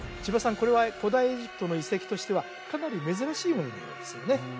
これは古代エジプトの遺跡としてはかなり珍しいもののようですよね？